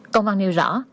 công văn nêu rõ